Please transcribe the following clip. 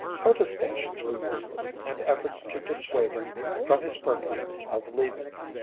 Protestations were useless and efforts to dissuade him from his purpose of leaving.